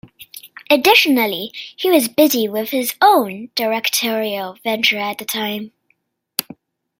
Adittionally, he was busy with his own directorial venture at the time.